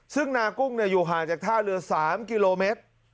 ซึ่งนากุ้งอยู่ห่างจากท่าเรือ๓กิโลเมตร